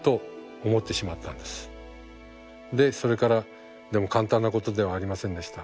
でそれからでも簡単なことではありませんでした。